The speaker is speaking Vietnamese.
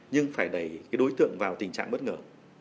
nhưng phải đẩy cái đối tượng vào tình trạng bất ngờ